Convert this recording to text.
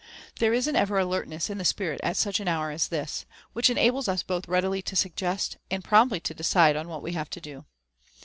There is an ever alertness in the spirit at such an hour as this, which enables us both readily to suggest and promptly to decide on what we have to do.